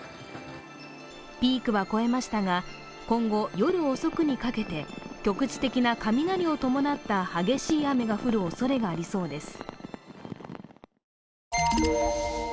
ピークは越えましたが、今後、夜遅くにかけて局地的な雷を伴った激しい雨が降るおそれがありそうです。